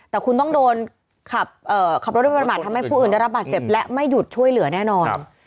แต่คุณต้องโดนขับรถโดยประมาททำให้ผู้อื่นได้รับบาดเจ็บและไม่หยุดช่วยเหลือแน่นอน